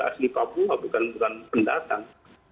asli papua bukan pendatang